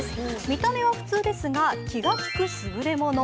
見た目は普通なんですが気が利くすぐれもの。